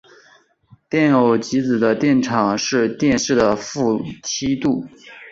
电偶极子的电场是电势的负梯度。